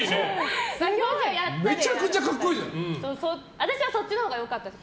私はそっちのほうが良かったんです。